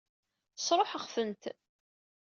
Sṛuḥeɣ-tent.